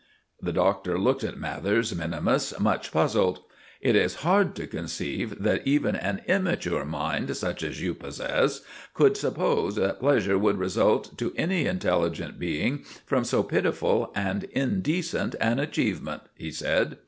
The Doctor looked at Mathers minimus much puzzled. "It is hard to conceive that even an immature mind, such as you possess, could suppose that pleasure would result to any intelligent being from so pitiful and indecent an achievement," he said.